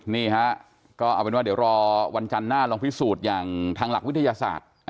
นี่ฮะก็เอาเป็นว่าเดี๋ยวรอวันจันทร์หน้าลองพิสูจน์อย่างทางหลักวิทยาศาสตร์